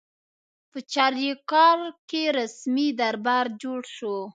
په چاریکار کې رسمي دربار جوړ شو.